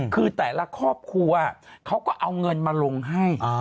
คือแต่ละครอบครัวเขาก็เอาเงินมาลงให้